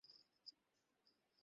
তুমি এই সব কিভাবে জানো?